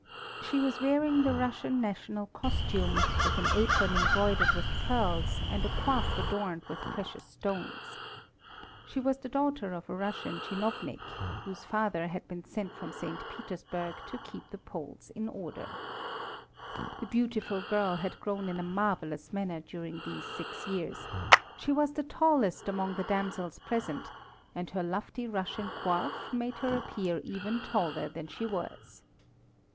She was wearing the Russian national costume, with an apron embroidered with pearls and a coif adorned with precious stones. She was the daughter of a Russian chinovnik whose father had been sent from St. Petersburg to keep the Poles in order. [Footnote 20: Official.] The beautiful girl had grown in a marvellous manner during these six years, she was the tallest among the damsels present, and her lofty Russian coif made her appear even taller than she was.